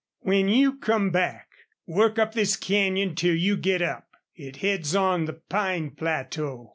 "When you come back, work up this canyon till you git up. It heads on the pine plateau.